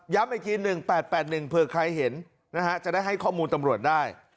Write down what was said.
อีกที๑๘๘๑เผื่อใครเห็นนะฮะจะได้ให้ข้อมูลตำรวจได้